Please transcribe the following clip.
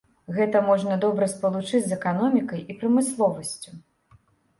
Гэта можна добра спалучыць з эканомікай і прамысловасцю.